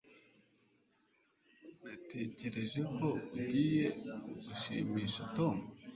Natekereje ko ugiye gushimisha Tom.